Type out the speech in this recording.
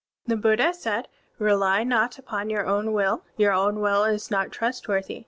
*' (28) The Buddha said: "Rely not upon your own will. Your own will is not trustworthy.